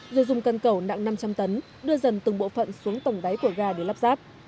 rồi dùng cân cầu nặng năm trăm linh tấn đưa dần từng bộ phận xuống tổng đáy của ga để lắp ráp